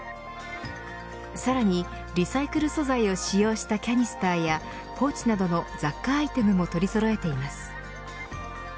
さらにリサイクル素材を使用したキャニスターやポーチなどの雑貨アイテムも取りそろえています。